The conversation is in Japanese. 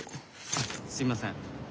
あっすいません。